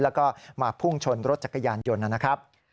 แล้วก็มาพุ่งชนรถจักรยานยนต์นะครับ